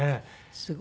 すごい。